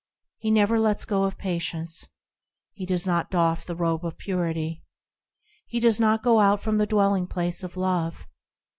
He never lets go of patience ; He does not doff the robe of Purity; He goes not out from the dwelling place of Love.